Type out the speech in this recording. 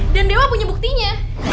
dan dewa punya buktinya